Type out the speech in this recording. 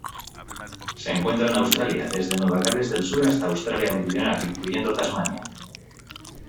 Se encuentra en Australia: desde Nueva Gales del Sur hasta Australia Meridional, incluyendo Tasmania.